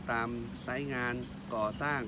ตามสายงานก่อสร้าง